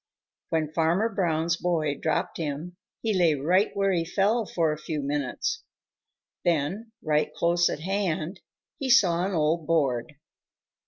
When Farmer Brown's boy dropped him, he lay right where he fell for a few minutes. Then, right close at hand, he saw an old board.